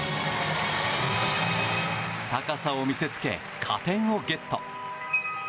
高さを見せつけ、加点をゲット。